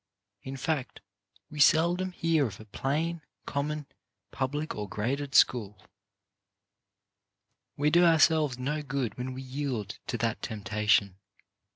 In fact we seldom hear of a plain, common, public or graded school. 63 64 CHARACTER BUILDING We do ourselves no good when we yield to that temptation.